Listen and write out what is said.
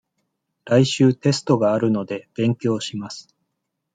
来週テストがあるので、勉強します。